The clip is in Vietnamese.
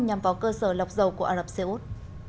nhằm vào cơ sở lọc dầu của ả rập xê út